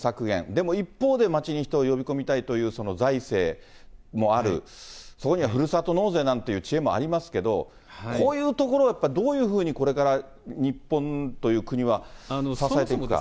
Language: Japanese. でも一方で町に人を呼び込みたいという、その財政もある、そこにはふるさと納税なんていう知恵もありますけれども、こういうところやっぱり、どういうふうにこれから日本という国は支えていくのか。